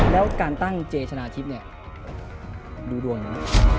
แล้วการตั้งเจชนะทิศเนี่ยดูดวงนะ